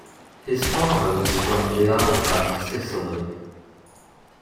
His father was from Villalba, Sicily.